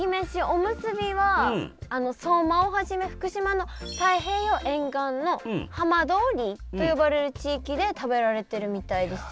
おむすびは相馬をはじめ福島の太平洋沿岸の浜通りと呼ばれる地域で食べられてるみたいです。